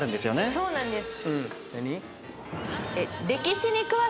そうなんです。